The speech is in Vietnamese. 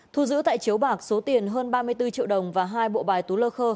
thu giữ tại chiếu bạc số tiền hơn ba mươi bốn triệu đồng và hai bộ bài tú lơ khơ